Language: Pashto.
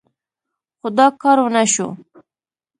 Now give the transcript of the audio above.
خو دا کار ونه شو.